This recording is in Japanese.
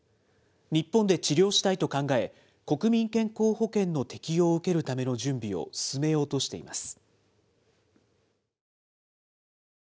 日本で治療したいと考え、国民健康保険の適用を受けるための準備を進めようとしています。